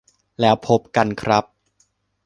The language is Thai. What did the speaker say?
แล้วพบกันครับ